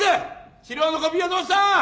資料のコピーはどうした！？